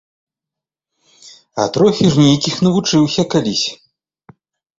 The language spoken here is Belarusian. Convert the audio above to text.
А трохі ж нейкіх навучыўся калісь.